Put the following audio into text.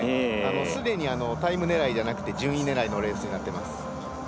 すでに、タイム狙いじゃなくて順位狙いのレースになっています。